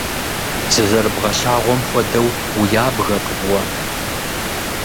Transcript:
Зызэрыбгъэлъагъуэм хуэдэу уябгэкъым уэ.